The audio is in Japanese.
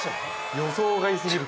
予想外すぎる。